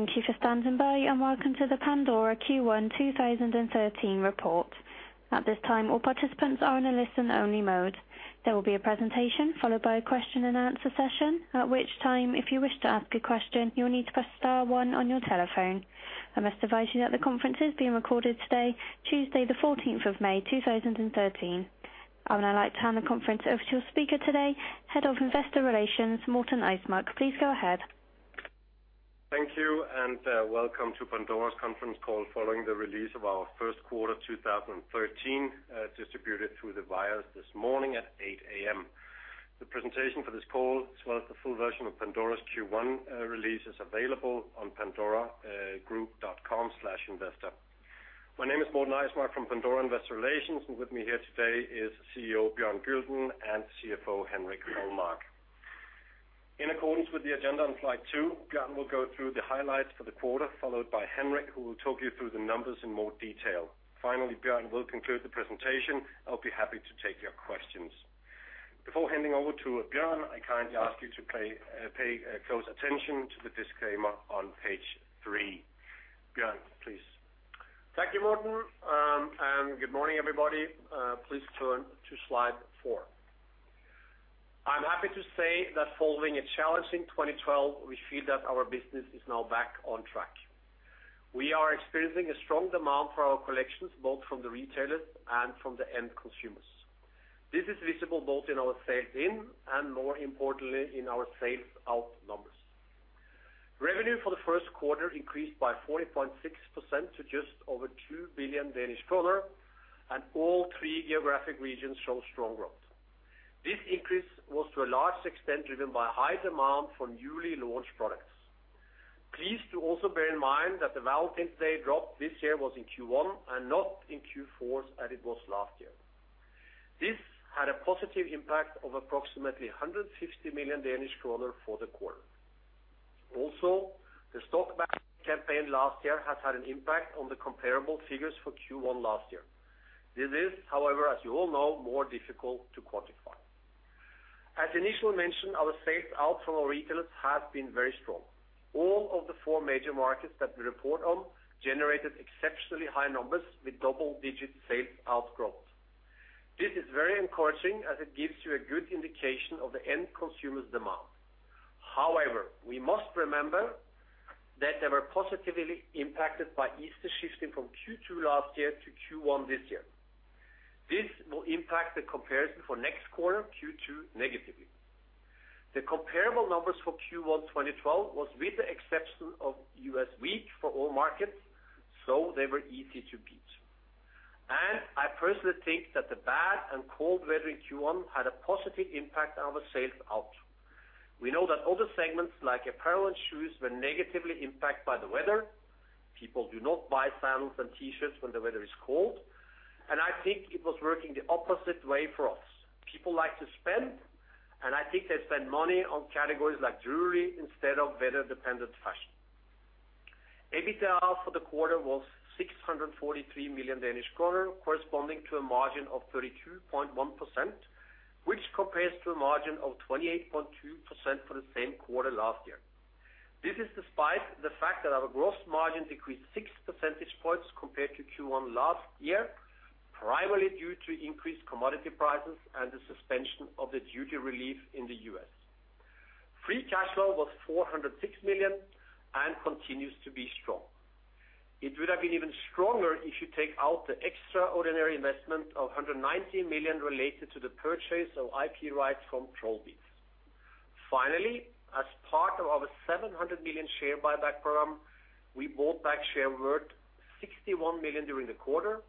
Thank you for standing by and welcome to the Pandora Q1 2013 report. At this time, all participants are in a listen-only mode. There will be a presentation followed by a question-and-answer session, at which time, if you wish to ask a question, you'll need to press star one on your telephone. I must advise you that the conference is being recorded today, Tuesday the 14th of May 2013. I'd like to hand the conference over to our speaker today, Head of Investor Relations, Morten Eismark. Please go ahead. Thank you, and welcome to Pandora's conference call following the release of our first quarter 2013, distributed via wires this morning at 8:00 A.M. The presentation for this call, as well as the full version of Pandora's Q1 release, is available on pandoragroup.com/investor. My name is Morten Eismark from Pandora Investor Relations, and with me here today is CEO Bjørn Gulden and CFO Henrik Holmark. In accordance with the agenda on slide two, Bjørn will go through the highlights for the quarter, followed by Henrik, who will talk you through the numbers in more detail. Finally, Bjørn will conclude the presentation. I'll be happy to take your questions. Before handing over to Bjørn, I kindly ask you to please pay close attention to the disclaimer on page three. Bjørn, please. Thank you, Morten. And good morning, everybody. Please turn to slide four. I'm happy to say that following a challenging 2012, we feel that our business is now back on track. We are experiencing a strong demand for our collections, both from the retailers and from the end consumers. This is visible both in our sales-in and, more importantly, in our sales-out numbers. Revenue for the first quarter increased by 40.6% to just over 2 billion Danish kroner, and all three geographic regions show strong growth. This increase was, to a large extent, driven by high demand for newly launched products. Please do also bear in mind that the Valentine's Day drop this year was in Q1 and not in Q4 as it was last year. This had a positive impact of approximately 150 million Danish kroner for the quarter. Also, the stock market campaign last year has had an impact on the comparable figures for Q1 last year. This is, however, as you all know, more difficult to quantify. As initially mentioned, our sales-out from our retailers has been very strong. All of the four major markets that we report on generated exceptionally high numbers with double-digit sales-out growth. This is very encouraging as it gives you a good indication of the end consumer's demand. However, we must remember that they were positively impacted by Easter shifting from Q2 last year to Q1 this year. This will impact the comparison for next quarter, Q2, negatively. The comparable numbers for Q1 2012 was, with the exception of U.S. weak, for all markets, so they were easy to beat. And I personally think that the bad and cold weather in Q1 had a positive impact on our sales-out. We know that other segments, like apparel and shoes, were negatively impacted by the weather. People do not buy sandals and T-shirts when the weather is cold. I think it was working the opposite way for us. People like to spend, and I think they spend money on categories like jewelry instead of weather-dependent fashion. EBITDA for the quarter was 643 million Danish kroner, corresponding to a margin of 32.1%, which compares to a margin of 28.2% for the same quarter last year. This is despite the fact that our gross margin decreased 6 percentage points compared to Q1 last year, primarily due to increased commodity prices and the suspension of the duty relief in the US. Free cash flow was 406 million and continues to be strong. It would have been even stronger if you take out the extraordinary investment of 190 million related to the purchase of IP rights from Trollbeads. Finally, as part of our 700 million share buyback program, we bought back shares worth 61 million during the quarter,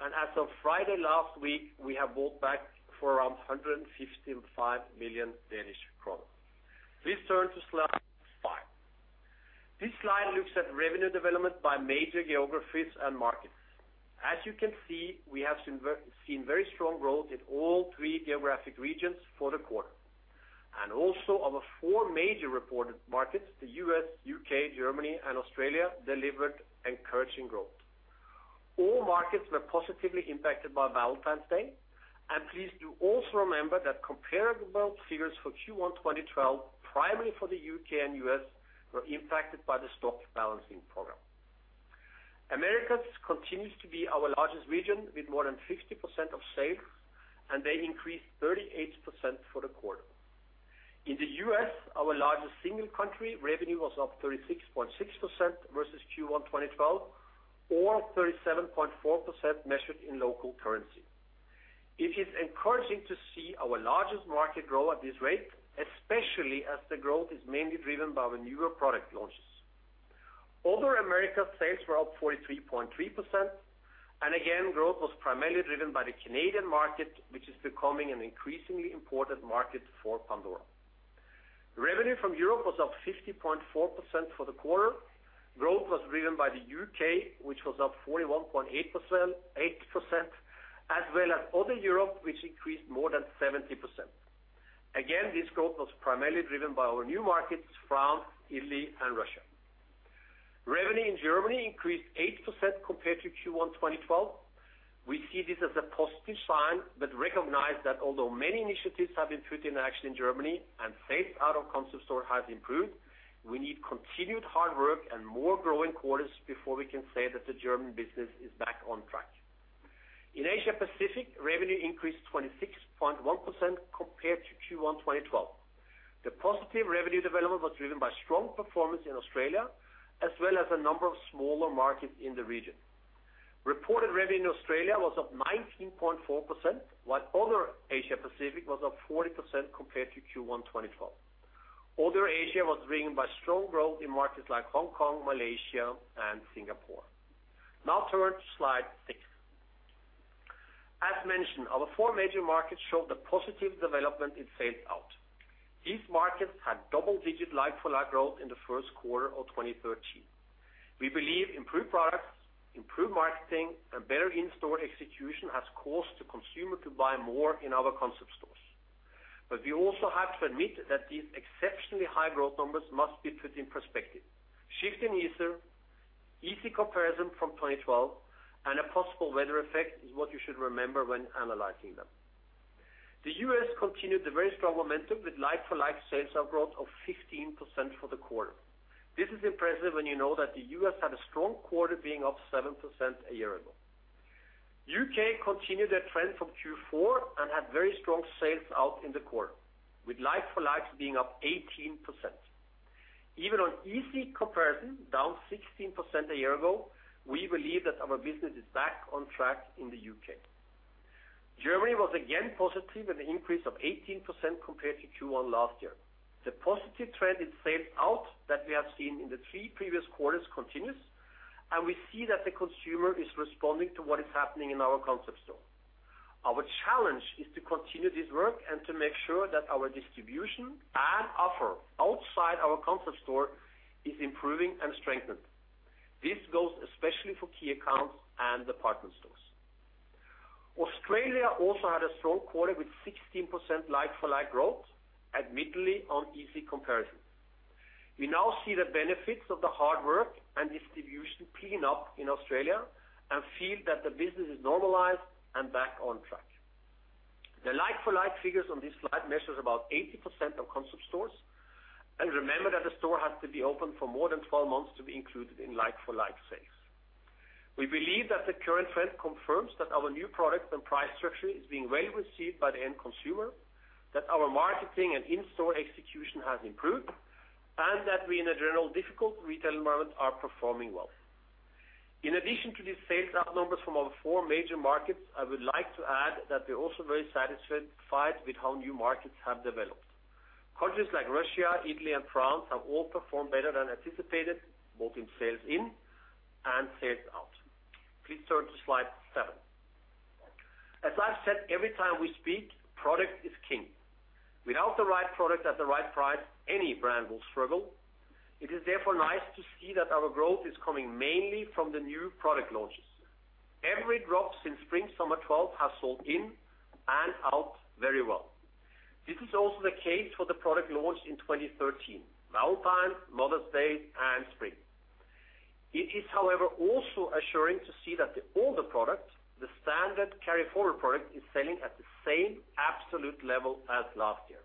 and as of Friday last week, we have bought back for around 155 million Danish kroner. Please turn to slide five. This slide looks at revenue development by major geographies and markets. As you can see, we have seen very strong growth in all three geographic regions for the quarter. And also, of the four major reported markets, the U.S., U.K., Germany, and Australia delivered encouraging growth. All markets were positively impacted by Valentine's Day, and please do also remember that comparable figures for Q1 2012, primarily for the U.K. and U.S., were impacted by the Stock Balancing Program. AmHenrika continues to be our largest region with more than 50% of sales, and they increased 38% for the quarter. In the U.S., our largest single country, revenue was up 36.6% versus Q1 2012, or 37.4% measured in local currency. It is encouraging to see our largest market grow at this rate, especially as the growth is mainly driven by new product launches. Throughout AmHenrika, sales were up 43.3%, and again, growth was primarily driven by the Canadian market, which is becoming an increasingly important market for Pandora. Revenue from Europe was up 50.4% for the quarter. Growth was driven by the U.K., which was up 41.8%, as well as throughout Europe, which increased more than 70%. Again, this growth was primarily driven by our new markets, France, Italy, and Russia. Revenue in Germany increased 8% compared to Q1 2012. We see this as a positive sign, but recognize that although many initiatives have been put in action in Germany and sales-out of concept store has improved, we need continued hard work and more growing quarters before we can say that the German business is back on track. In Asia-Pacific, revenue increased 26.1% compared to Q1 2012. The positive revenue development was driven by strong performance in Australia, as well as a number of smaller markets in the region. Reported revenue in Australia was up 19.4%, while all through Asia-Pacific was up 40% compared to Q1 2012. All through Asia was driven by strong growth in markets like Hong Kong, Malaysia, and Singapore. Now turn to slide six. As mentioned, our four major markets showed a positive development in sales-out. These markets had double-digit line-for-line growth in the first quarter of 2013. We believe improved products, improved marketing, and better in-store execution have caused the consumer to buy more in our concept stores. But we also have to admit that these exceptionally high growth numbers must be put in perspective. Shifting [is are] easy comparison from 2012, and a possible weather effect is what you should remember when analyzing them. The U.S. continued the very strong momentum with line-for-line sales-out growth of 15% for the quarter. This is impressive when you know that the U.S. had a strong quarter being up 7% a year ago. U.K. continued their trend from Q4 and had very strong sales-out in the quarter, with line-for-line being up 18%. Even on easy comparison, down 16% a year ago, we believe that our business is back on track in the U.K. Germany was again positive with an increase of 18% compared to Q1 last year. The positive trend in sales-out that we have seen in the three previous quarters continues, and we see that the consumer is responding to what is happening in our concept store. Our challenge is to continue this work and to make sure that our distribution and offer outside our concept store is improving and strengthened. This goes especially for key accounts and department stores. Australia also had a strong quarter with 16% line-for-line growth, admittedly on easy comparison. We now see the benefits of the hard work and distribution clean up in Australia and feel that the business is normalized and back on track. The line-for-line figures on this slide measure about 80% of concept stores, and remember that a store has to be open for more than 12 months to be included in line-for-line sales. We believe that the current trend confirms that our new products and price structure is being well received by the end consumer, that our marketing and in-store execution has improved, and that we, in a general difficult retail environment, are performing well. In addition to these sales-out numbers from our four major markets, I would like to add that we're also very satisfied with how new markets have developed. Countries like Russia, Italy, and France have all performed better than anticipated, both in sales-in and sales-out. Please turn to slide seven. As I've said every time we speak, product is king. Without the right product at the right price, any brand will struggle. It is therefore nice to see that our growth is coming mainly from the new product launches. Every drop since Spring/Summer 2012 has sold in and out very well. This is also the case for the product launched in 2013: Valentine, Mother's Day, and Spring. It is, however, also assuring to see that all the product, the standard carry-forward product, is selling at the same absolute level as last year.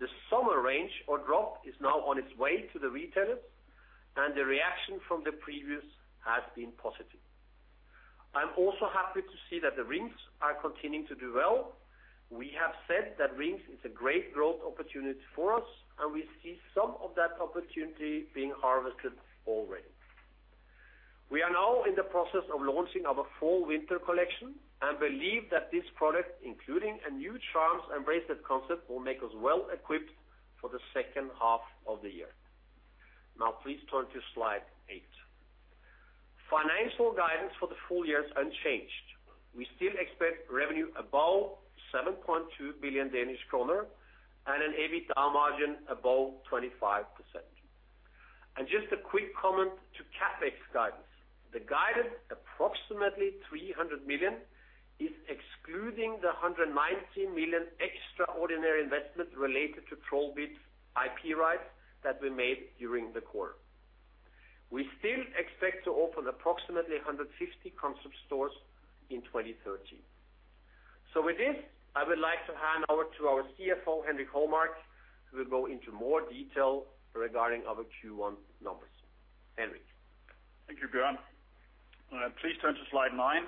The summer range, or drop, is now on its way to the retailers, and the reaction from the previous has been positive. I'm also happy to see that the rings are continuing to do well. We have said that rings is a great growth opportunity for us, and we see some of that opportunity being harvested already. We are now in the process of launching our fall/winter collection and believe that this product, including a new charms-embraced concept, will make us well equipped for the second half of the year. Now please turn to slide 8. Financial guidance for the full year is unchanged. We still expect revenue above 7.2 billion Danish kroner and an EBITDA margin above 25%. Just a quick comment to CapEx guidance. The guided approximately 300 million is excluding the 190 million extraordinary investment related to Trollbeads IP rights that we made during the quarter. We still expect to open approximately 150 Concept Stores in 2013. With this, I would like to hand over to our CFO, Henrik Holmark, who will go into more detail regarding our Q1 numbers. Henrik. Thank you, Bjørn. Please turn to slide nine.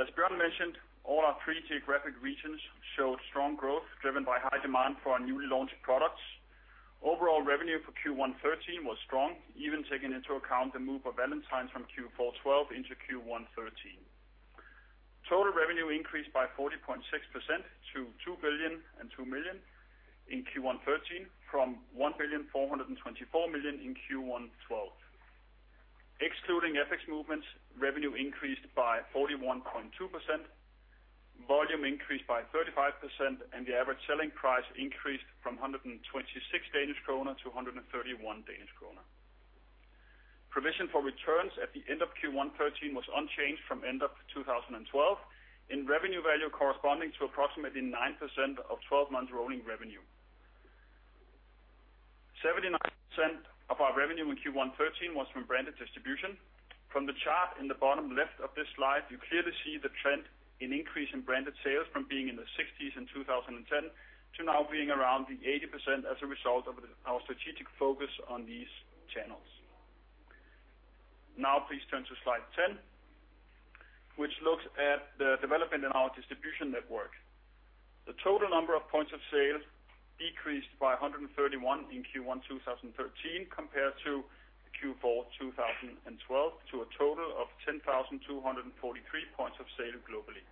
As Bjørn mentioned, all our three geographic regions showed strong growth driven by high demand for our newly launched products. Overall revenue for Q1 2013 was strong, even taking into account the move of Valentine's from Q4 2012 into Q1 2013. Total revenue increased by 40.6% to 2,002 million in Q1 2013 from 1,424 million in Q1 2012. Excluding FX movements, revenue increased by 41.2%, volume increased by 35%, and the average selling price increased from 126 Danish kroner to 131 Danish kroner. Provision for returns at the end of Q1 2013 was unchanged from end of 2012 in revenue value corresponding to approximately 9% of 12 months' rolling revenue. 79% of our revenue in Q1 2013 was from branded distribution. From the chart in the bottom left of this slide, you clearly see the trend in increase in branded sales from being in the 60s in 2010 to now being around the 80% as a result of our strategic focus on these channels. Now please turn to slide 10, which looks at the development in our distribution network. The total number of points of sale decreased by 131 in Q1 2013 compared to Q4 2012 to a total of 10,243 points of sale globally.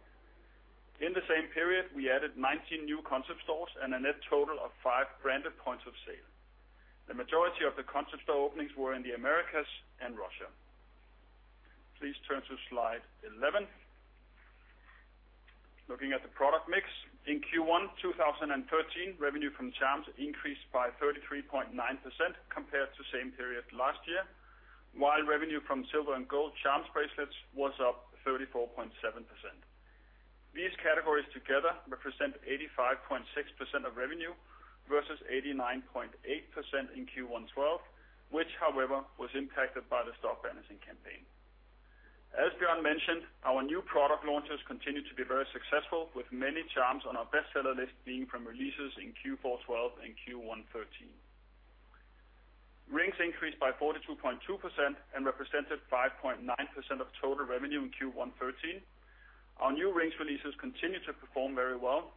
In the same period, we added 19 new concept stores and a net total of 5 branded points of sale. The majority of the concept store openings were in the AmHenrikas and Russia. Please turn to slide 11. Looking at the product mix, in Q1 2013, revenue from charms increased by 33.9% compared to the same period last year, while revenue from silver and gold charms bracelets was up 34.7%. These categories together represent 85.6% of revenue versus 89.8% in Q1 2012, which, however, was impacted by the stock balancing campaign. As Bjørn mentioned, our new product launches continue to be very successful, with many charms on our bestseller list being from releases in Q4 2012 and Q1 2013. Rings increased by 42.2% and represented 5.9% of total revenue in Q1 2013. Our new rings releases continue to perform very well.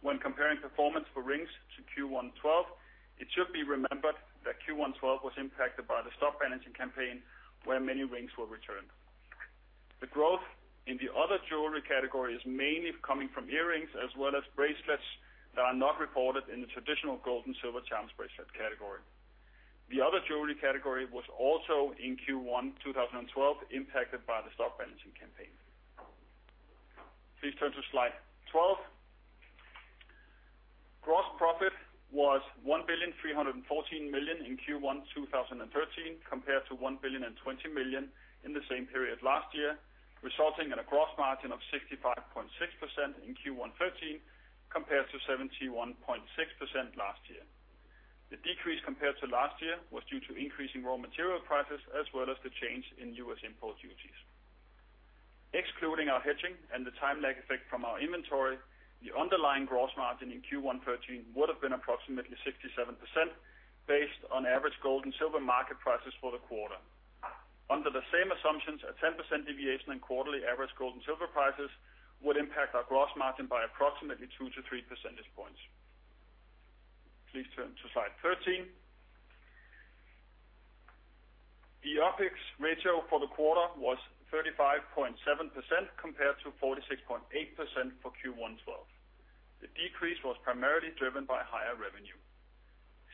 When comparing performance for rings to Q1 2012, it should be remembered that Q1 2012 was impacted by the stock balancing campaign, where many rings were returned. The growth in the other jewelry category is mainly coming from earrings as well as bracelets that are not reported in the traditional gold and silver charms bracelet category. The other jewelry category was also in Q1 2012 impacted by the stock balancing campaign. Please turn to slide 12. Gross profit was 1,314 million in Q1 2013 compared to 1,020 million in the same period last year, resulting in a gross margin of 65.6% in Q1 2013 compared to 71.6% last year. The decrease compared to last year was due to increasing raw material prices as well as the change in U.S. import duties. Excluding our hedging and the time lag effect from our inventory, the underlying gross margin in Q1 2013 would have been approximately 67% based on average gold and silver market prices for the quarter. Under the same assumptions, a 10% deviation in quarterly average gold and silver prices would impact our gross margin by approximately 2-3 percentage points. Please turn to slide 13. The OPEX ratio for the quarter was 35.7% compared to 46.8% for Q1 2012. The decrease was primarily driven by higher revenue.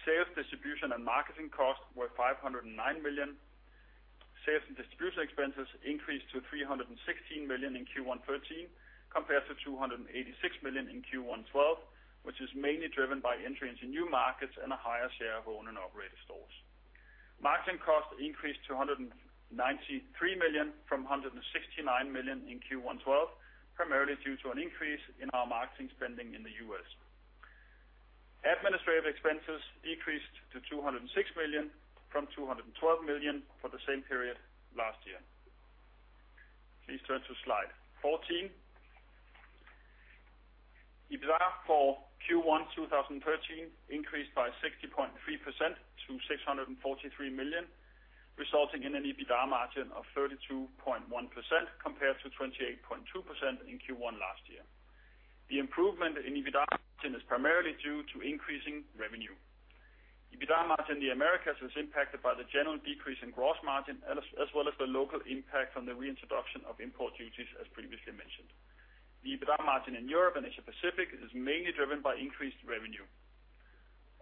Sales, distribution, and marketing costs were 509 million. Sales and distribution expenses increased to 316 million in Q1 2013 compared to 286 million in Q1 2012, which is mainly driven by entry into new markets and a higher share of owned and operated stores. Marketing costs increased to 193 million from 169 million in Q1 2012, primarily due to an increase in our marketing spending in the U.S. Administrative expenses decreased to 206 million from 212 million for the same period last year. Please turn to slide 14. EBITDA for Q1 2013 increased by 60.3% to 643 million, resulting in an EBITDA margin of 32.1% compared to 28.2% in Q1 last year. The improvement in EBITDA margin is primarily due to increasing revenue. EBITDA margin in the AmHenrikas was impacted by the general decrease in gross margin as well as the local impact from the reintroduction of import duties, as previously mentioned. The EBITDA margin in Europe and Asia-Pacific is mainly driven by increased revenue.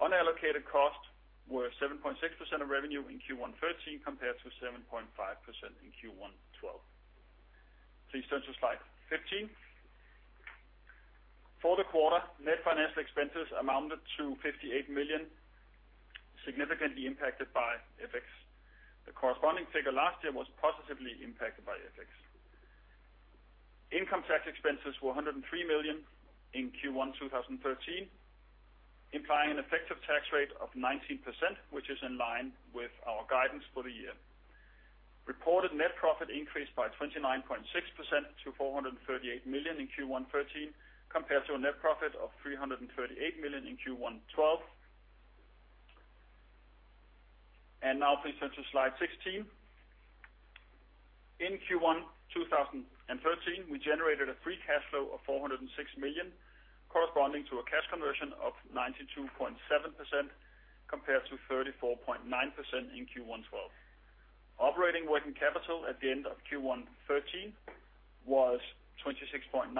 Unallocated costs were 7.6% of revenue in Q1 2013 compared to 7.5% in Q1 2012. Please turn to slide 15. For the quarter, net financial expenses amounted to 58 million, significantly impacted by FX. The corresponding figure last year was positively impacted by FX. Income tax expenses were 103 million in Q1 2013, implying an effective tax rate of 19%, which is in line with our guidance for the year. Reported net profit increased by 29.6% to 438 million in Q1 2013 compared to a net profit of 338 million in Q1 2012. Now please turn to slide 16. In Q1 2013, we generated a Free Cash Flow of 406 million, corresponding to a cash conversion of 92.7% compared to 34.9% in Q1 2012. Operating working capital at the end of Q1 2013 was 26.9%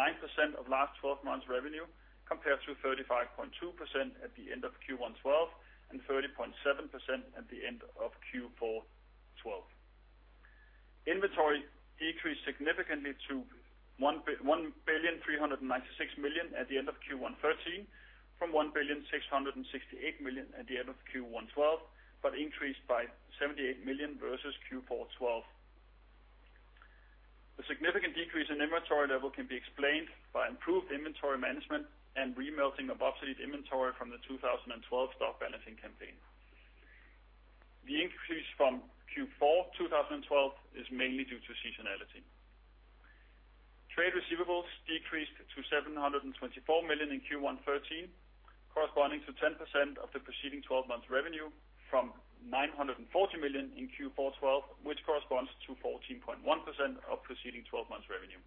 of last 12 months' revenue compared to 35.2% at the end of Q1 2012 and 30.7% at the end of Q4 2012. Inventory decreased significantly to 1,396 million at the end of Q1 2013 from 1,668 million at the end of Q1 2012, but increased by 78 million versus Q4 2012. The significant decrease in inventory level can be explained by improved inventory management and remelting of obsolete inventory from the 2012 stock balancing campaign. The increase from Q4 2012 is mainly due to seasonality. Trade receivables decreased to 724 million in Q1 2013, corresponding to 10% of the preceding 12 months' revenue from 940 million in Q4 2012, which corresponds to 14.1% of preceding 12 months' revenue.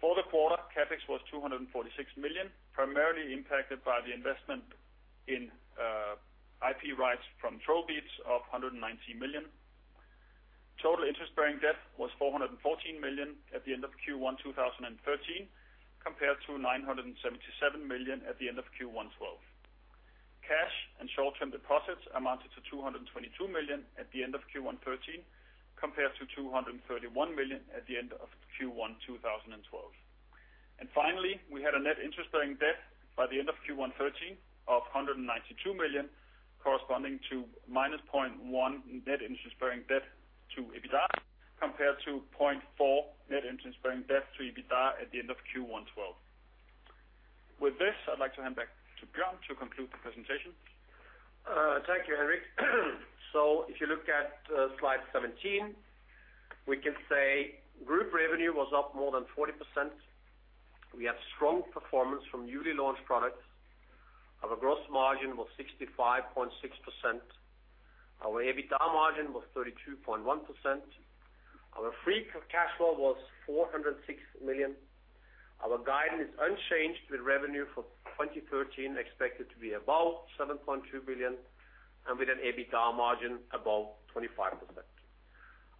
For the quarter, CapEx was 246 million, primarily impacted by the investment in IP rights from Trollbeads of 119 million. Total interest-bearing debt was 414 million at the end of Q1 2013 compared to 977 million at the end of Q1 2012. Cash and short-term deposits amounted to 222 million at the end of Q1 2013 compared to 231 million at the end of Q1 2012. And finally, we had a net interest-bearing debt by the end of Q1 2013 of 192 million, corresponding to -0.1 net interest-bearing debt to EBITDA compared to 0.4 net interest-bearing debt to EBITDA at the end of Q1 2012. With this, I'd like to hand back to Bjørn to conclude the presentation. Thank you, Henrik. So if you look at slide 17, we can say group revenue was up more than 40%. We had strong performance from newly launched products. Our gross margin was 65.6%. Our EBITDA margin was 32.1%. Our free cash flow was 406 million. Our guidance is unchanged with revenue for 2013 expected to be above 7.2 billion and with an EBITDA margin above 25%.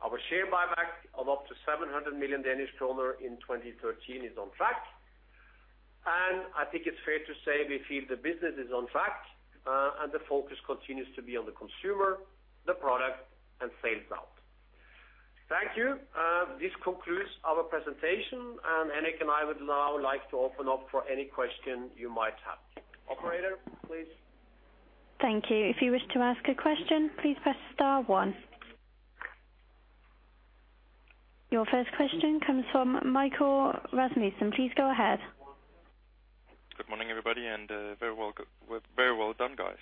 Our share buyback of up to 700 million Danish kroner in 2013 is on track. And I think it's fair to say we feel the business is on track and the focus continues to be on the consumer, the product, and sales out. Thank you. This concludes our presentation, and Henrik and I would now like to open up for any question you might have. Operator, please. Thank you. If you wish to ask a question, please press star one. Your first question comes from Michael Rasmussen. Please go ahead. Good morning, everybody, and very well done, guys.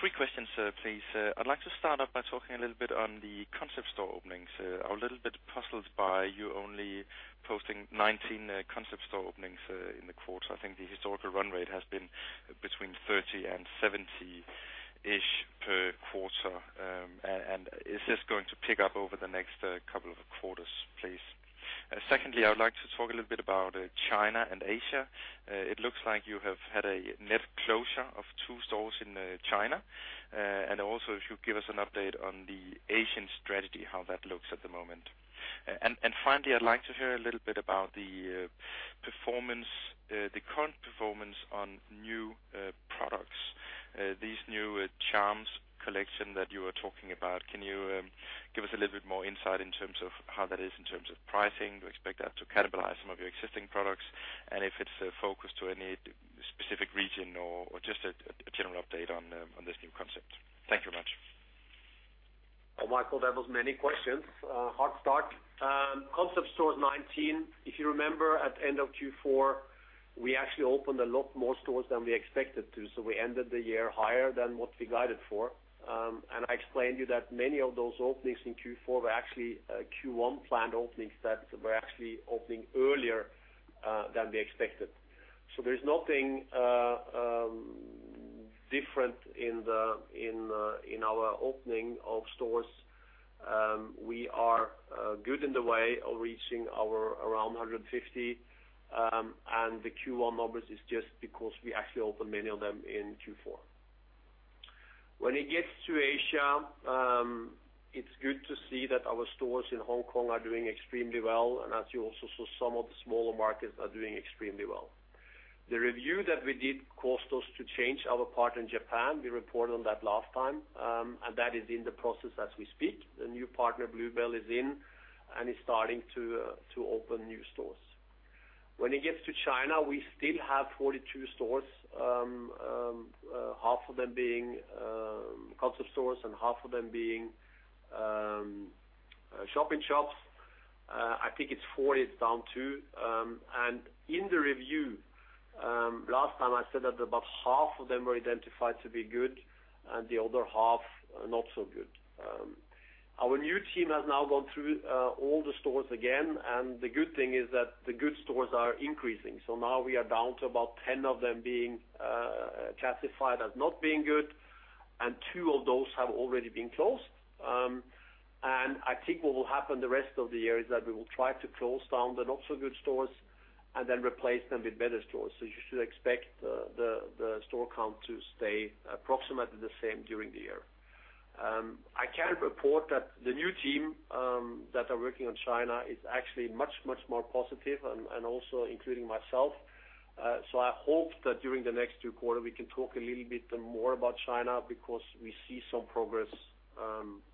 Three questions, please. I'd like to start off by talking a little bit on the Concept Store openings. I'm a little bit puzzled by you only posting 19 Concept Store openings in the quarter. I think the historical run rate has been between 30 and 70-ish per quarter, and is this going to pick up over the next couple of quarters, please? Secondly, I would like to talk a little bit about China and Asia. It looks like you have had a net closure of two stores in China, and also if you give us an update on the Asian strategy, how that looks at the moment. Finally, I'd like to hear a little bit about the current performance on new products. These new charms collection that you were talking about, can you give us a little bit more insight in terms of how that is in terms of pricing? Do you expect that to cannibalize some of your existing products, and if it's a focus to any specific region or just a general update on this new concept? Thank you very much. Well, Michael, there were many questions. Hot start. Concept Stores 19. If you remember, at the end of Q4, we actually opened a lot more stores than we expected to, so we ended the year higher than what we guided for. I explained to you that many of those openings in Q4 were actually Q1 planned openings that were actually opening earlier than we expected. So there's nothing different in our opening of stores. We are good in the way of reaching around 150, and the Q1 numbers is just because we actually opened many of them in Q4. When it gets to Asia, it's good to see that our stores in Hong Kong are doing extremely well, and as you also saw, some of the smaller markets are doing extremely well. The review that we did caused us to change our partner in Japan. We reported on that last time, and that is in the process as we speak. The new partner, Bluebell, is in and is starting to open new stores. When it gets to China, we still have 42 stores, half of them being Concept Stores and half of them being Shop-in-Shops. I think it's 40 it's down to. And in the review, last time I said that about half of them were identified to be good and the other half not so good. Our new team has now gone through all the stores again, and the good thing is that the good stores are increasing. So now we are down to about 10 of them being classified as not being good, and two of those have already been closed. And I think what will happen the rest of the year is that we will try to close down the not-so-good stores and then replace them with better stores. So you should expect the store count to stay approximately the same during the year. I can report that the new team that are working on China is actually much, much more positive, and also including myself. So I hope that during the next two quarters, we can talk a little bit more about China because we see some progress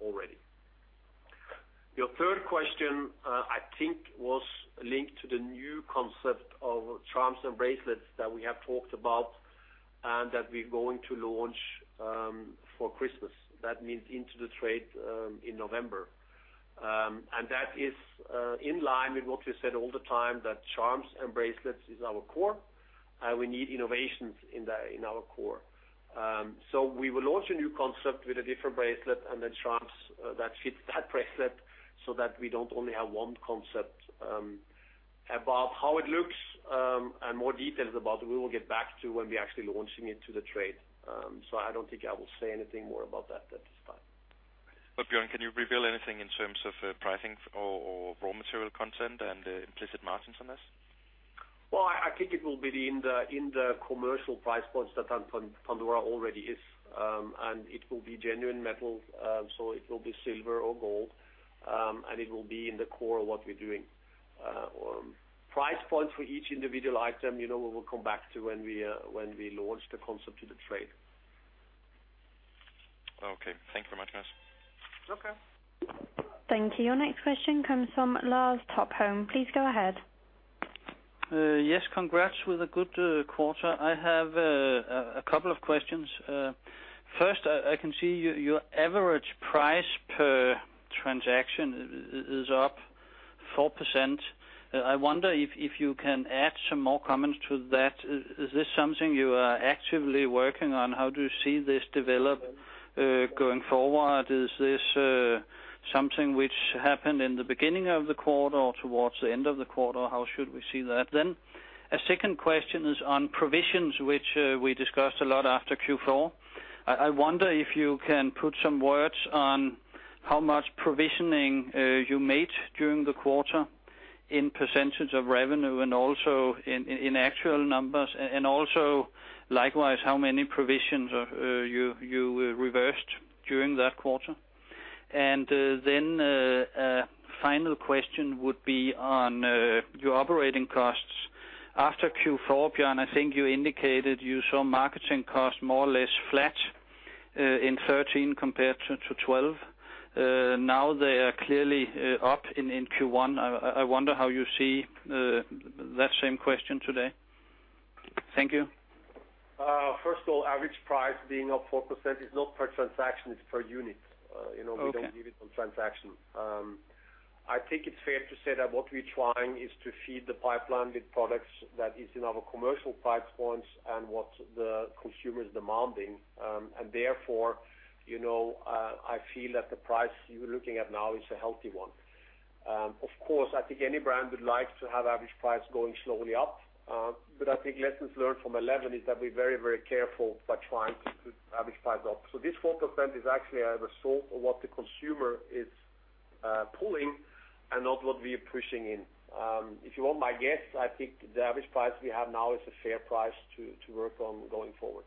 already. Your third question, I think, was linked to the new concept of charms and bracelets that we have talked about and that we're going to launch for Christmas. That means into the trade in November. That is in line with what we said all the time, that charms and bracelets is our core, and we need innovations in our core. We will launch a new concept with a different bracelet and then charms that fit that bracelet so that we don't only have one concept. About how it looks and more details about it, we will get back to when we're actually launching it to the trade. I don't think I will say anything more about that at this time. But Bjørn, can you reveal anything in terms of pricing or raw material content and implicit margins on this? Well, I think it will be in the commercial price points that Pandora already is, and it will be genuine metal, so it will be silver or gold, and it will be in the core of what we're doing. Price points for each individual item, we will come back to when we launch the concept to the trade. Okay. Thank you very much, guys. Okay. Thank you. Your next question comes from Lars Topholm. Please go ahead. Yes. Congrats with a good quarter. I have a couple of questions. First, I can see your average price per transaction is up 4%. I wonder if you can add some more comments to that. Is this something you are actively working on? How do you see this develop going forward? Is this something which happened in the beginning of the quarter or toward the end of the quarter? How should we see that? Then a second question is on provisions, which we discussed a lot after Q4. I wonder if you can put some words on how much provisioning you made during the quarter in percentage of revenue and also in actual numbers, and also likewise, how many provisions you reversed during that quarter. Then a final question would be on your operating costs. After Q4, Bjørn, I think you indicated you saw marketing costs more or less flat in 2013 compared to 2012. Now they are clearly up in Q1. I wonder how you see that same question today. Thank you. First of all, average price being up 4% is not per transaction. It's per unit. We don't give it on transaction. I think it's fair to say that what we're trying is to feed the pipeline with products that is in our commercial price points and what the consumer's demanding. And therefore, I feel that the price you're looking at now is a healthy one. Of course, I think any brand would like to have average price going slowly up, but I think lessons learned from 2011 is that we're very, very careful by trying to put average price up. So this 4% is actually a result of what the consumer is pulling and not what we are pushing in. If you want my guess, I think the average price we have now is a fair price to work on going forward.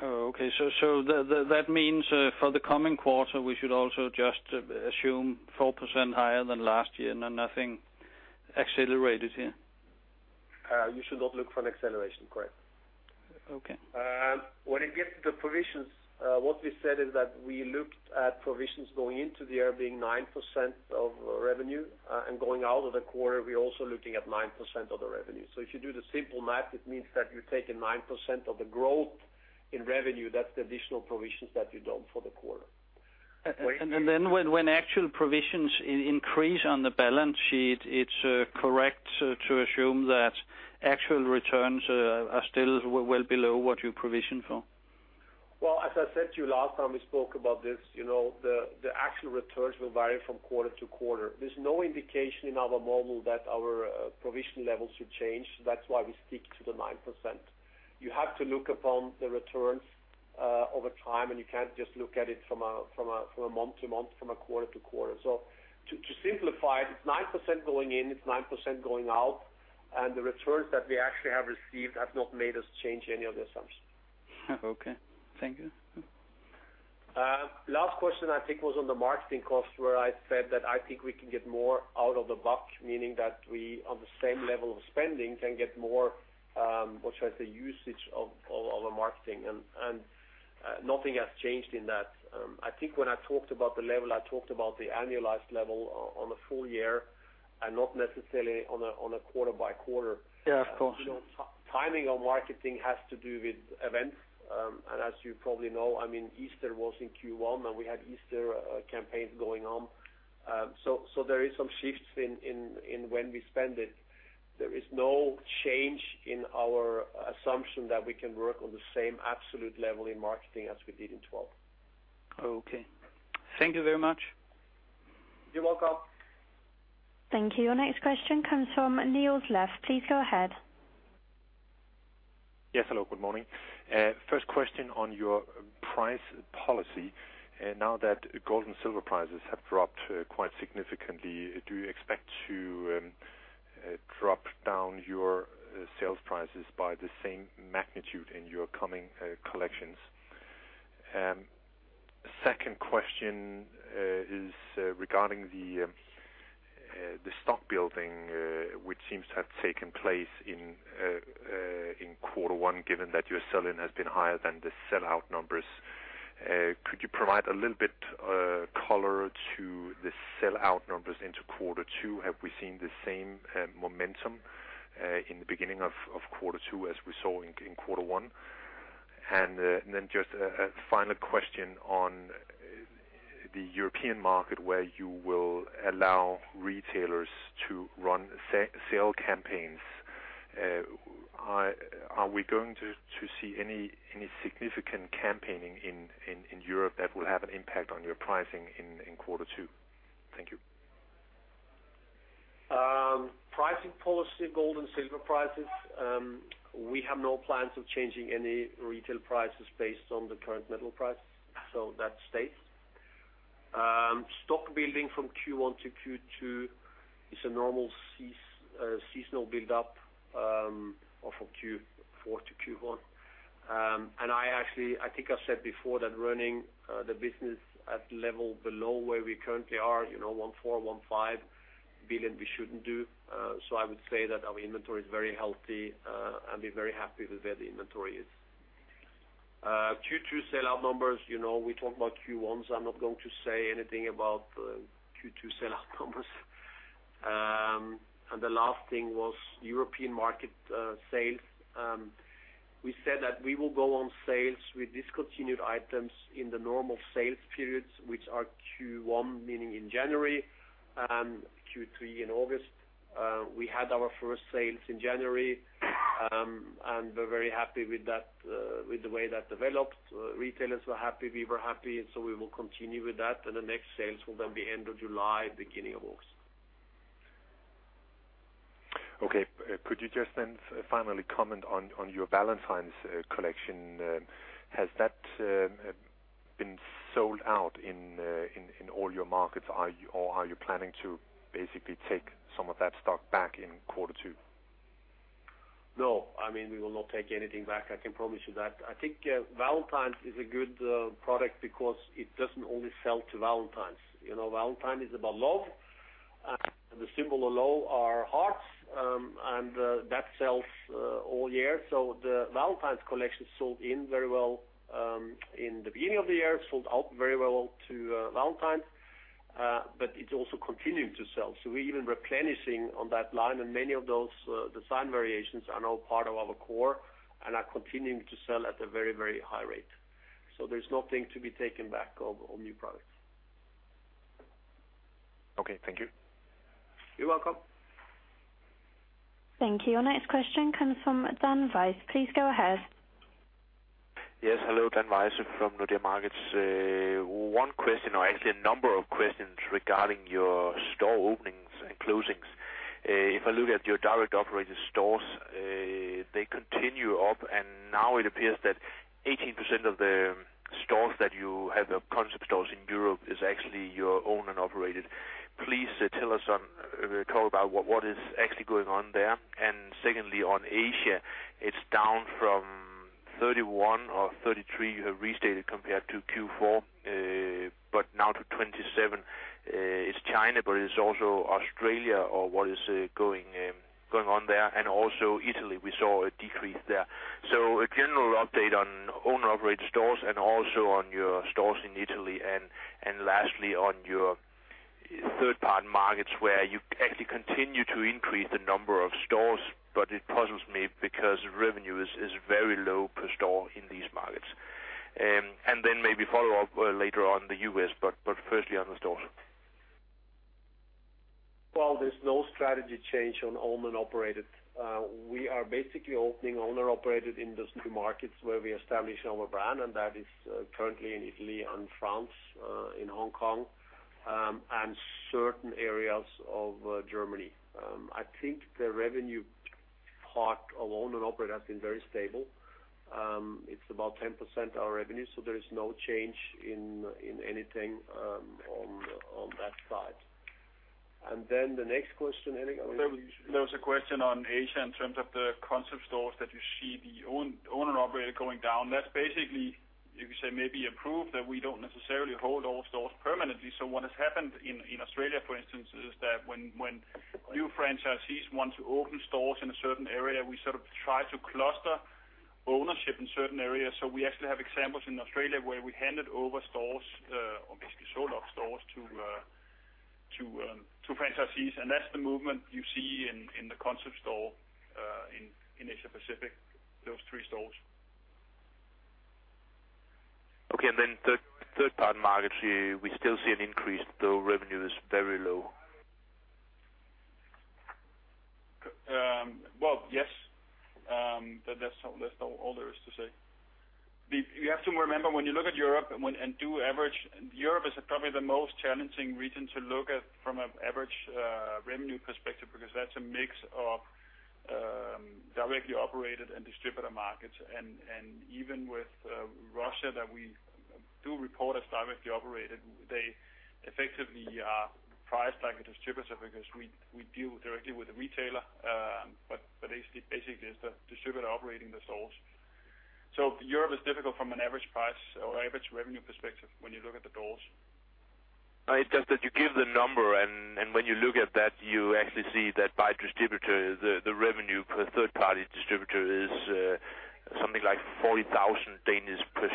Oh, okay. So that means for the coming quarter, we should also just assume 4% higher than last year and nothing accelerated here? You should not look for an acceleration. Correct. Okay. When it gets to the provisions, what we said is that we looked at provisions going into the year being 9% of revenue, and going out of the quarter, we're also looking at 9% of the revenue. So if you do the simple math, it means that you're taking 9% of the growth in revenue. That's the additional provisions that you don't for the quarter. And then when actual provisions increase on the balance sheet, it's correct to assume that actual returns are still well below what you provision for? Well, as I said to you last time, we spoke about this. The actual returns will vary from quarter to quarter. There's no indication in our model that our provision levels should change. That's why we stick to the 9%. You have to look upon the returns over time, and you can't just look at it from a month to month, from a quarter to quarter. So to simplify it, it's 9% going in, it's 9% going out, and the returns that we actually have received have not made us change any of the assumptions. Okay. Thank you. Last question, I think, was on the marketing cost where I said that I think we can get more out of the buck, meaning that we, on the same level of spending, can get more, what should I say, usage of our marketing. Nothing has changed in that. I think when I talked about the level, I talked about the annualized level on a full year and not necessarily on a quarter by quarter. Yeah, of course. Timing of marketing has to do with events. And as you probably know, I mean, Easter was in Q1, and we had Easter campaigns going on. So there are some shifts in when we spend it. There is no change in our assumption that we can work on the same absolute level in marketing as we did in 2012. Oh, okay. Thank you very much. You're welcome. Thank you. Your next question comes from Niels Leth. Please go ahead. Yes. Hello. Good morning. First question on your price policy. Now that gold and silver prices have dropped quite significantly, do you expect to drop down your sales prices by the same magnitude in your coming collections? Second question is regarding the stock building, which seems to have taken place in quarter one, given that your sell-in has been higher than the sell-out numbers. Could you provide a little bit of color to the sell-out numbers into quarter two? Have we seen the same momentum in the beginning of quarter two as we saw in quarter one? And then just a final question on the European market where you will allow retailers to run sale campaigns. Are we going to see any significant campaigning in Europe that will have an impact on your pricing in quarter two? Thank you. Pricing policy, gold and silver prices: we have no plans of changing any retail prices based on the current metal prices, so that stays. Stock building from Q1 to Q2 is a normal seasonal buildup from Q4 to Q1. I think I've said before that running the business at the level below where we currently are, 14 billion-15 billion, we shouldn't do. So I would say that our inventory is very healthy, and we're very happy with where the inventory is. Q2 sell-out numbers: we talked about Q1s. I'm not going to say anything about Q2 sell-out numbers. The last thing was European market sales. We said that we will go on sales with discontinued items in the normal sales periods, which are Q1, meaning in January, and Q3 in August. We had our first sales in January, and we're very happy with the way that developed. Retailers were happy. We were happy, so we will continue with that. The next sales will then be end of July, beginning of August. Okay. Could you just then finally comment on your Valentine's collection? Has that been sold out in all your markets, or are you planning to basically take some of that stock back in quarter two? No. I mean, we will not take anything back. I can promise you that. I think Valentine's is a good product because it doesn't only sell to Valentine's. Valentine is about love, and the symbol alone are hearts, and that sells all year. So the Valentine's collection sold in very well in the beginning of the year, sold out very well to Valentine's, but it's also continuing to sell. So we're even replenishing on that line, and many of those design variations are now part of our core, and are continuing to sell at a very, very high rate. So there's nothing to be taken back of new products. Okay. Thank you. You're welcome. Thank you. Your next question comes from Dan Wejse. Please go ahead. Yes. Hello. Dan Wejse from Nordea Markets. One question, or actually a number of questions, regarding your store openings and closings. If I look at your direct operated stores, they continue up, and now it appears that 18% of the stores that you have are concept stores in Europe. It's actually your own and operated. Please tell us and talk about what is actually going on there. And secondly, on Asia, it's down from 31 or 33. You have restated compared to Q4, but now to 27. It's China, but it is also Australia or what is going on there, and also Italy. We saw a decrease there. So a general update on owner-operated stores and also on your stores in Italy, and lastly, on your third-party markets where you actually continue to increase the number of stores, but it puzzles me because revenue is very low per store in these markets. And then maybe follow up later on the U.S., but firstly, on the stores. Well, there's no strategy change on owner-operated. We are basically opening owner-operated in those two markets where we establish our brand, and that is currently in Italy and France, in Hong Kong, and certain areas of Germany. I think the revenue part of owner-operated has been very stable. It's about 10% of our revenue, so there is no change in anything on that side. And then the next question, Henrik. There was a question on Asia in terms of the concept stores that you see the owner-operated going down. That's basically, you could say, maybe improved that we don't necessarily hold all stores permanently. So what has happened in Australia, for instance, is that when new franchisees want to open stores in a certain area, we sort of try to cluster ownership in certain areas. So we actually have examples in Australia where we handed over stores or basically sold off stores to franchisees, and that's the movement you see in the concept store in Asia-Pacific, those three stores. Okay. And then third-party markets, we still see an increase, though revenue is very low. Well, yes. That's all there is to say. You have to remember when you look at Europe and do average, Europe is probably the most challenging region to look at from an average revenue perspective because that's a mix of directly operated and distributor markets. Even with Russia, that we do report as directly operated, they effectively are priced like a distributor because we deal directly with the retailer, but basically, it's the distributor operating the stores. So Europe is difficult from an average price or average revenue perspective when you look at the doors. It's just that you give the number, and when you look at that, you actually see that by distributor, the revenue per third-party distributor is something like 40,000 per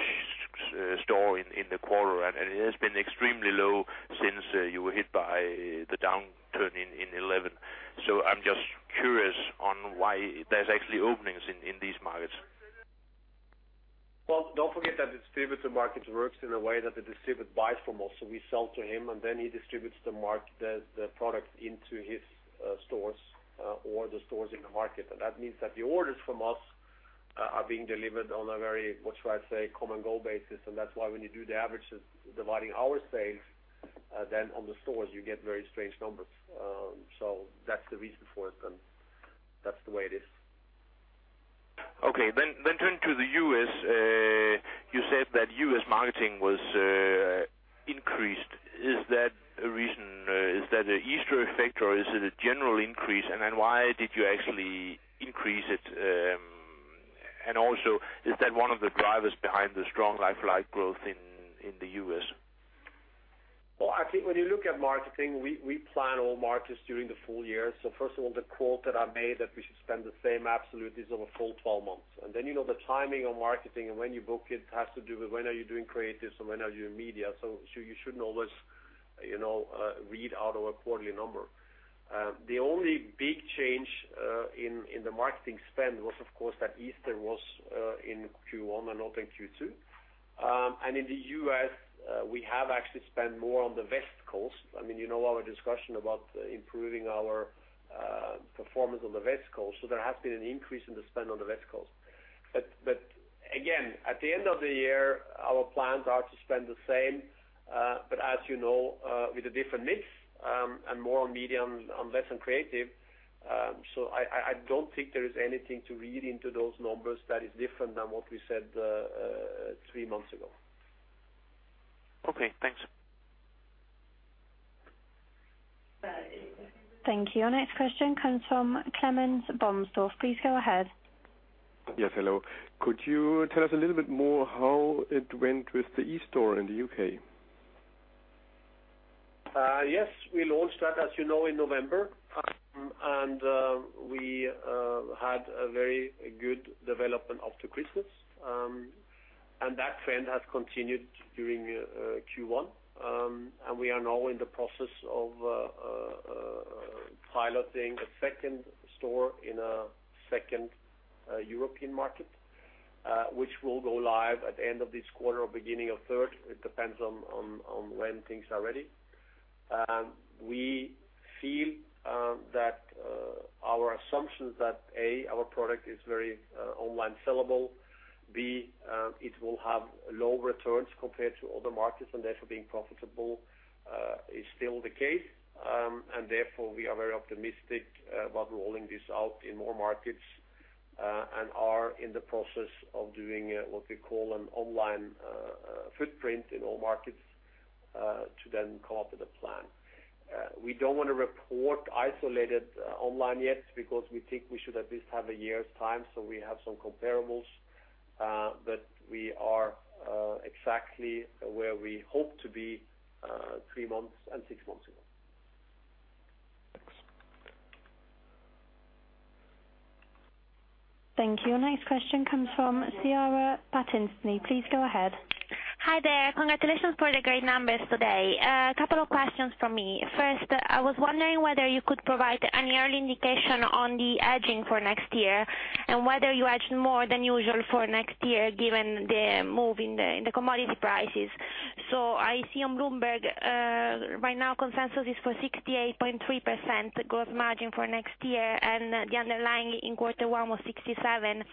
store in the quarter, and it has been extremely low since you were hit by the downturn in 2011. So I'm just curious on why there's actually openings in these markets. Well, don't forget that distributor markets work in a way that the distributor buys from us. So we sell to him, and then he distributes the product into his stores or the stores in the market. And that means that the orders from us are being delivered on a very, what should I say, common goal basis, and that's why when you do the averages dividing our sales, then on the stores, you get very strange numbers. So that's the reason for it, and that's the way it is. Okay. Then turn to the U.S. You said that U.S. marketing was increased. Is that a reason? Is that an Easter effect, or is it a general increase? And then why did you actually increase it? And also, is that one of the drivers behind the strong like-for-like growth in the U.S.? Well, I think when you look at marketing, we plan all markets during the full year. So first of all, the quote that I made that we should spend the same absolute is over full 12 months. And then the timing of marketing and when you book it has to do with when are you doing creatives and when are you in media. So you shouldn't always read out of a quarterly number. The only big change in the marketing spend was, of course, that Easter was in Q1 and not in Q2. And in the U.S., we have actually spent more on the West Coast. I mean, you know our discussion about improving our performance on the West Coast, so there has been an increase in the spend on the West Coast. But again, at the end of the year, our plans are to spend the same, but as you know, with a different mix and more on media and less on creative. So I don't think there is anything to read into those numbers that is different than what we said three months ago. Okay. Thanks. Thank you. Your next question comes from [Clements] Bundschuh. Please go ahead. Yes. Hello. Could you tell us a little bit more how it went with the e-store in the UK? Yes. We launched that, as you know, in November, and we had a very good development after Christmas. That trend has continued during Q1, and we are now in the process of piloting a second store in a second European market, which will go live at the end of this quarter or beginning of third. It depends on when things are ready. We feel that our assumptions that, A, our product is very online sellable, B, it will have low returns compared to other markets, and therefore, being profitable is still the case. Therefore, we are very optimistic about rolling this out in more markets and are in the process of doing what we call an online footprint in all markets to then come up with a plan. We don't want to report isolated online yet because we think we should at least have a year's time so we have some comparables, but we are exactly where we hope to be 3 months and 6 months ago. Thanks. Thank you. Your next question comes from Chiara Battistini. Please go ahead. Hi there. Congratulations for the great numbers today. A couple of questions from me. First, I was wondering whether you could provide any early indication on the hedging for next year and whether you hedge more than usual for next year given the move in the commodity prices. So I see on Bloomberg, right now, consensus is for 68.3% gross margin for next year, and the underlying in quarter one was 67%.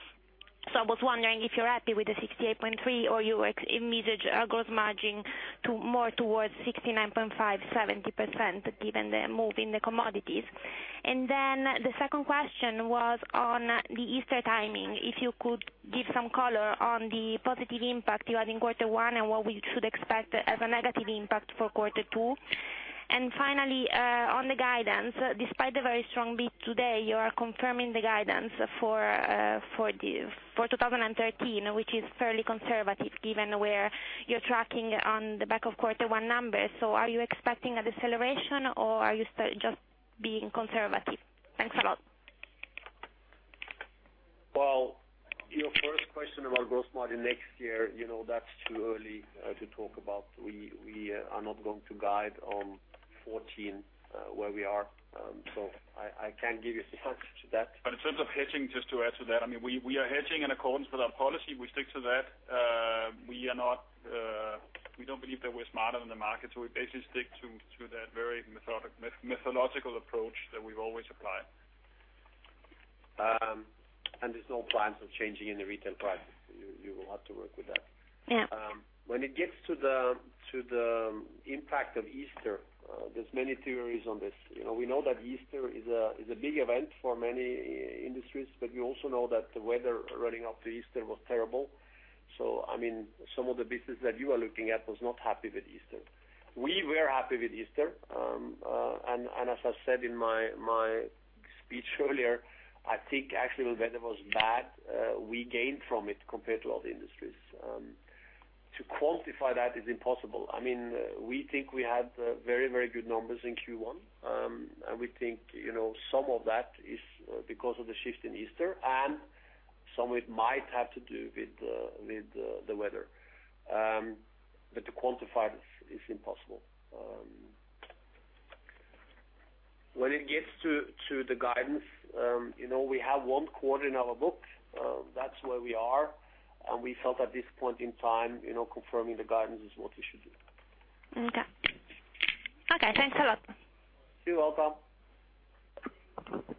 So I was wondering if you're happy with the 68.3% or you envisage a gross margin more towards 69.5%-70% given the move in the commodities. And then the second question was on the Easter timing, if you could give some color on the positive impact you had in quarter one and what we should expect as a negative impact for quarter two. Finally, on the guidance, despite the very strong bid today, you are confirming the guidance for 2013, which is fairly conservative given where you're tracking on the back of quarter one numbers. Are you expecting an acceleration, or are you just being conservative? Thanks a lot. Well, your first question about gross margin next year, that's too early to talk about. We are not going to guide on 2014 where we are, so I can't give you the answer to that. But in terms of hedging, just to add to that, I mean, we are hedging in accordance with our policy. We stick to that. We don't believe that we're smarter than the market, so we basically stick to that very methodological approach that we've always applied. There's no plans of changing in the retail prices. You will have to work with that. When it gets to the impact of Easter, there's many theories on this. We know that Easter is a big event for many industries, but we also know that the weather running up to Easter was terrible. So I mean, some of the business that you are looking at was not happy with Easter. We were happy with Easter, and as I said in my speech earlier, I think actually the weather was bad. We gained from it compared to other industries. To quantify that is impossible. I mean, we think we had very, very good numbers in Q1, and we think some of that is because of the shift in Easter, and some it might have to do with the weather. But to quantify this is impossible. When it gets to the guidance, we have one quarter in our book. That's where we are, and we felt at this point in time, confirming the guidance is what we should do. Okay. Okay. Thanks a lot. You're welcome.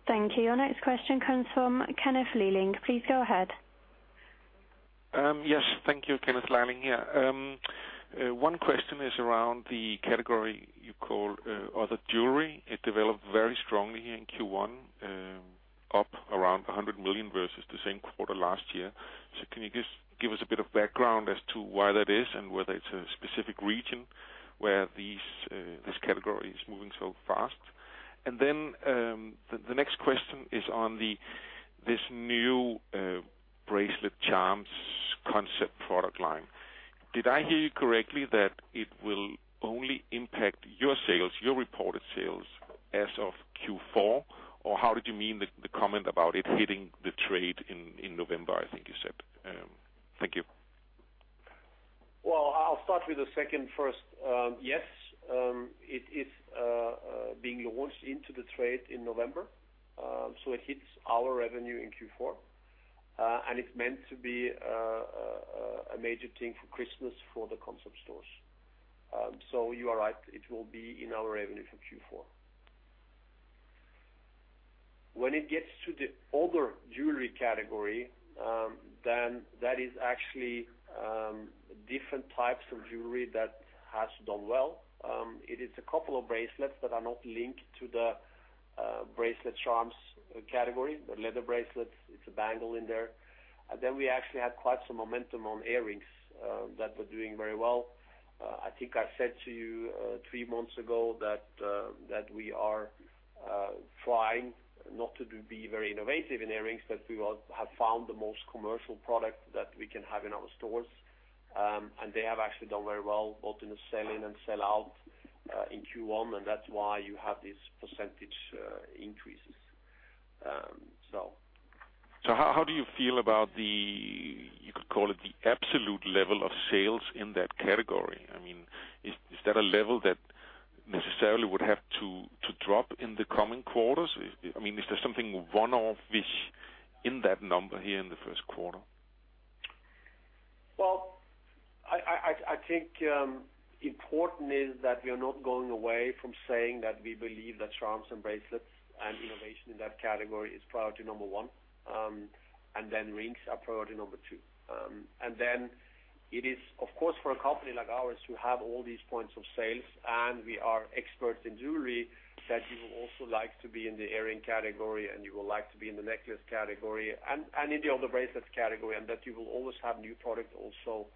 Thank you. Your next question comes from Kenneth Leiling. Please go ahead. Yes. Thank you, Kenneth Leiling. Yeah. One question is around the category you call other jewelry. It developed very strongly here in Q1, up around 100 million versus the same quarter last year. So can you just give us a bit of background as to why that is and whether it's a specific region where this category is moving so fast? And then the next question is on this new bracelet charms concept product line. Did I hear you correctly that it will only impact your sales, your reported sales, as of Q4, or how did you mean the comment about it hitting the trade in November, I think you said? Thank you. Well, I'll start with the second first. Yes. It is being launched into the trade in November, so it hits our revenue in Q4, and it's meant to be a major thing for Christmas for the Concept Stores. So you are right. It will be in our revenue for Q4. When it gets to the other jewelry category, then that is actually different types of jewelry that has done well. It is a couple of bracelets that are not linked to the bracelet charms category, the Leather Bracelets. It's a bangle in there. And then we actually had quite some momentum on Earrings that were doing very well. I think I said to you three months ago that we are trying not to be very innovative in earrings, that we have found the most commercial product that we can have in our stores, and they have actually done very well both in the sell-in and sell-out in Q1, and that's why you have these percentage increases, so. So how do you feel about the you could call it the absolute level of sales in that category? I mean, is that a level that necessarily would have to drop in the coming quarters? I mean, is there something one-offish in that number here in the first quarter? Well, I think important is that we are not going away from saying that we believe that charms and bracelets and innovation in that category is priority number 1, and then rings are priority number two. Then it is, of course, for a company like ours to have all these points of sale, and we are experts in jewelry, that you will also like to be in the earrings category, and you will like to be in the necklaces category and in the other bracelets category, and that you will always have new product also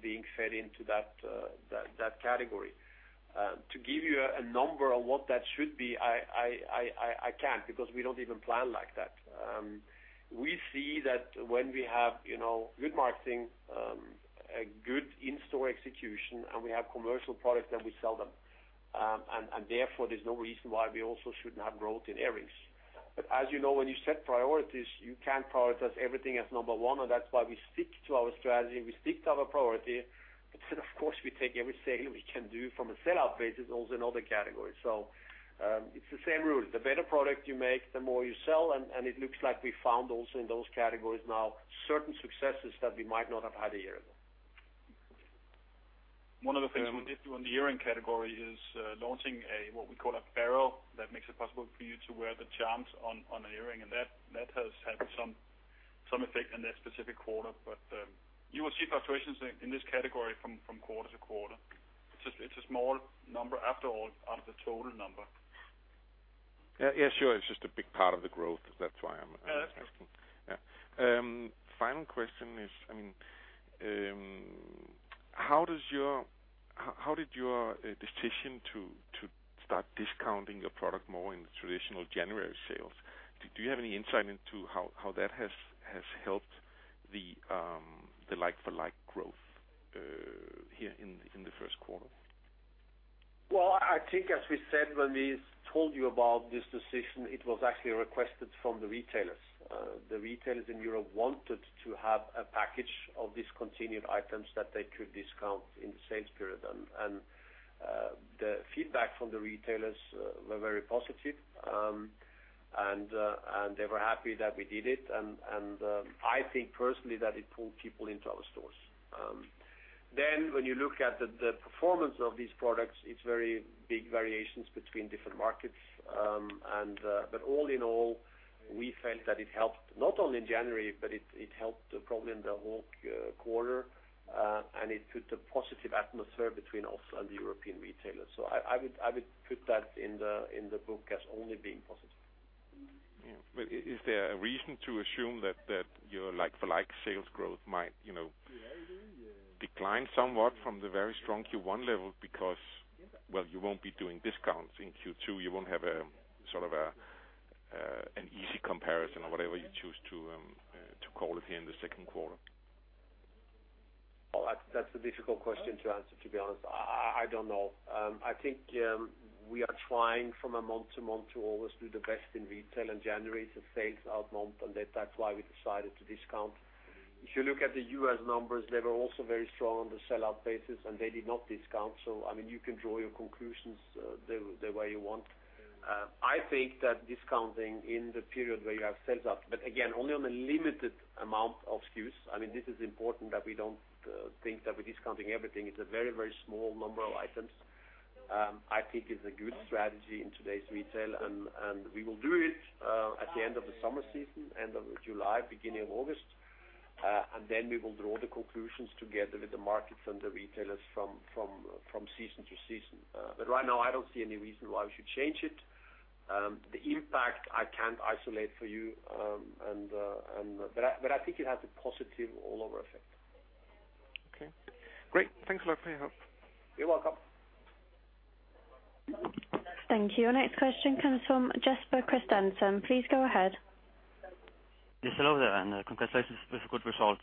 being fed into that category. To give you a number on what that should be, I can't because we don't even plan like that. We see that when we have good marketing, good in-store execution, and we have commercial products, then we sell them, and therefore, there's no reason why we also shouldn't have growth in earrings. But as you know, when you set priorities, you can't prioritize everything as number one, and that's why we stick to our strategy. We stick to our priority, but then, of course, we take every sale we can do from a sell-out basis also in other categories. So it's the same rule. The better product you make, the more you sell, and it looks like we found also in those categories now certain successes that we might not have had a year ago. One of the things we did do on the earring category is launching what we call a barrel that makes it possible for you to wear the charms on an earring, and that has had some effect in that specific quarter. But you will see fluctuations in this category from quarter to quarter. It's a small number after all out of the total number. Yeah. Sure. It's just a big part of the growth. That's why I'm asking. Yeah. Yeah. Final question is, I mean, how did your decision to start discounting your product more in the traditional January sales? Do you have any insight into how that has helped the like-for-like growth here in the first quarter? Well, I think as we said when we told you about this decision, it was actually requested from the retailers. The retailers in Europe wanted to have a package of discontinued items that they could discount in the sales period, and the feedback from the retailers were very positive, and they were happy that we did it. And I think personally that it pulled people into our stores. Then when you look at the performance of these products, it's very big variations between different markets, but all in all, we felt that it helped not only in January, but it helped probably in the whole quarter, and it put a positive atmosphere between us and the European retailers. So I would put that in the book as only being positive. Yeah. But is there a reason to assume that your like-for-like sales growth might decline somewhat from the very strong Q1 level because, well, you won't be doing discounts in Q2? You won't have sort of an easy comparison or whatever you choose to call it here in the second quarter? Well, that's a difficult question to answer, to be honest. I don't know. I think we are trying from a month to month to always do the best in retail in January. It's a sales-out month, and that's why we decided to discount. If you look at the U.S. numbers, they were also very strong on the sell-out basis, and they did not discount. So I mean, you can draw your conclusions the way you want. I think that discounting in the period where you have sales-out but again, only on a limited amount of SKUs. I mean, this is important that we don't think that we're discounting everything. It's a very, very small number of items. I think it's a good strategy in today's retail, and we will do it at the end of the summer season, end of July, beginning of August, and then we will draw the conclusions together with the markets and the retailers from season to season. But right now, I don't see any reason why we should change it. The impact, I can't isolate for you, but I think it has a positive all-over effect. Okay. Great. Thanks a lot for your help. You're welcome. Thank you. Your next question comes from Jesper Christensen. Please go ahead. Yes. Hello there, and congratulations with a good result.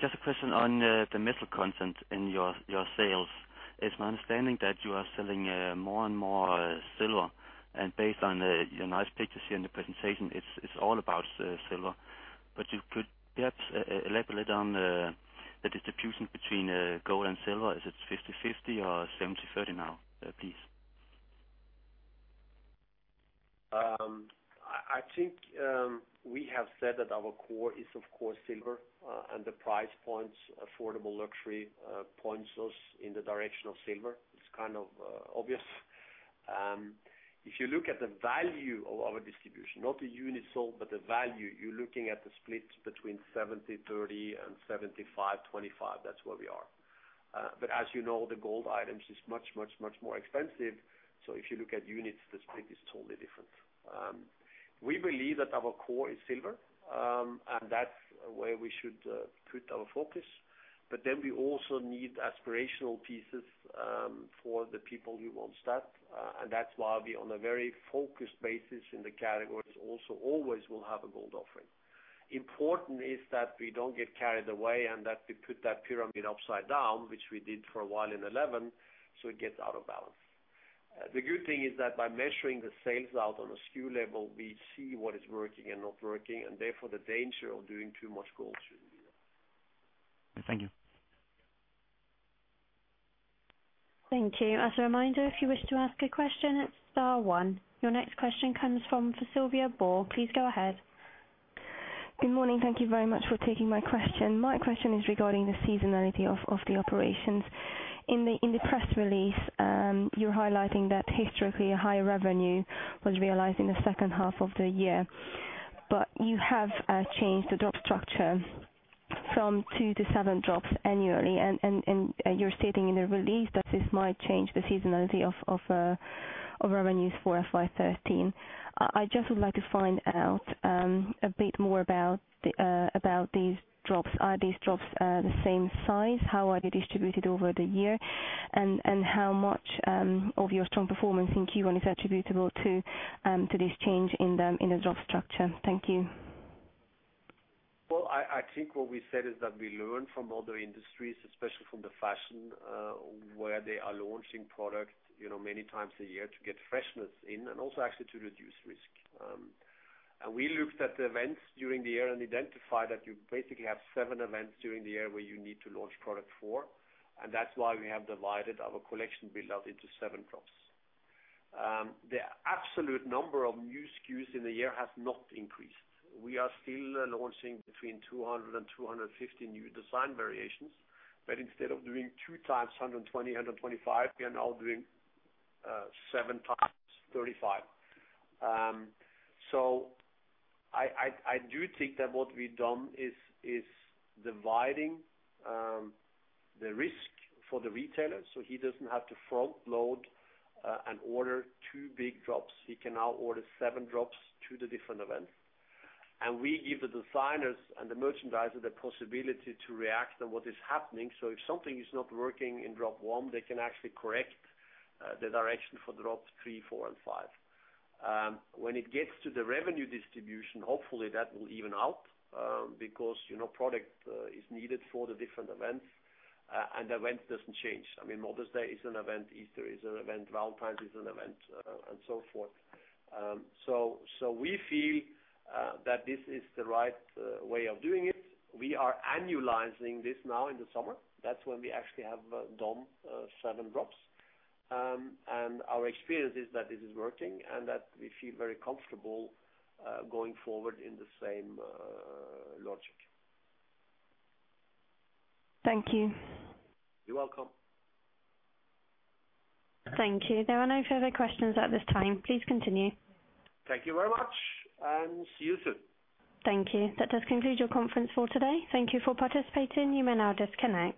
Just a question on the metal content in your sales. It's my understanding that you are selling more and more silver, and based on your nice pictures here in the presentation, it's all about silver. But you could perhaps elaborate on the distribution between gold and silver. Is it 50/50 or 70/30 now, please? I think we have said that our core is, of course, silver, and the price points, affordable luxury points us in the direction of silver. It's kind of obvious. If you look at the value of our distribution, not the units sold but the value, you're looking at the split between 70/30 and 75/25. That's where we are. But as you know, the gold items are much, much, much more expensive, so if you look at units, the split is totally different. We believe that our core is silver, and that's where we should put our focus. But then we also need aspirational pieces for the people who want that, and that's why we on a very focused basis in the categories also always will have a gold offering. Important is that we don't get carried away and that we put that pyramid upside down, which we did for a while in 2011, so it gets out of balance. The good thing is that by measuring the sales out on a SKU level, we see what is working and not working, and therefore, the danger of doing too much gold shouldn't be there. Thank you. Thank you. As a reminder, if you wish to ask a question, it's star one. Your next question comes from Silvia Cuneo. Please go ahead. Good morning. Thank you very much for taking my question. My question is regarding the seasonality of the operations. In the press release, you're highlighting that historically, a higher revenue was realized in the second half of the year, but you have changed the drop structure from two to seven drops annually, and you're stating in the release that this might change the seasonality of revenues for FY13. I just would like to find out a bit more about these drops. Are these drops the same size? How are they distributed over the year? And how much of your strong performance in Q1 is attributable to this change in the drop structure? Thank you. Well, I think what we said is that we learn from other industries, especially from the fashion, where they are launching products many times a year to get freshness in and also actually to reduce risk. We looked at the events during the year and identified that you basically have seven events during the year where you need to launch product for, and that's why we have divided our collection build-out into seven drops. The absolute number of new SKUs in the year has not increased. We are still launching between 200 and 250 new design variations, but instead of doing two times 120, 125, we are now doing seven times 35. So I do think that what we've done is dividing the risk for the retailer so he doesn't have to front-load and order two big drops. He can now order seven drops to the different events. We give the designers and the merchandiser the possibility to react on what is happening, so if something is not working in drop one, they can actually correct the direction for drops three, four, and five. When it gets to the revenue distribution, hopefully, that will even out because product is needed for the different events, and the event doesn't change. I mean, Mother's Day is an event. Easter is an event. Valentine's is an event, and so forth. So we feel that this is the right way of doing it. We are annualizing this now in the summer. That's when we actually have done seven drops. And our experience is that this is working and that we feel very comfortable going forward in the same logic. Thank you. You're welcome. Thank you. There are no further questions at this time. Please continue. Thank you very much, and see you soon. Thank you. That does conclude your conference for today. Thank you for participating. You may now disconnect.